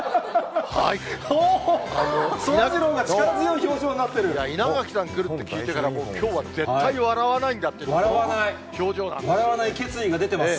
そらジローが力強い表情にないや、稲垣さん来るって聞いてたから、きょうは絶対笑わないんだって、笑わない決意が出てます。